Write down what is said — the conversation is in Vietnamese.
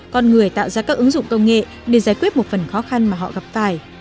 con người tạo ra các ứng dụng công nghệ để giải quyết một phần khó khăn mà họ gặp phải